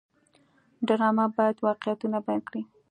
ډرامه باید واقعیتونه بیان کړي